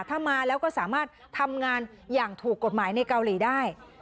ถ้ามาแล้วก็สามารถทำงานอย่างถูกกฎหมายในเกาหลีได้